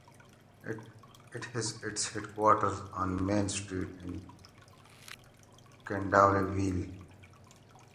It has its headquarters on Main Street in Kendallville.